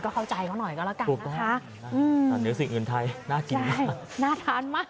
ก็เข้าใจเขาหน่อยก็ละกันนะคะอืมใช่น่าทานมาก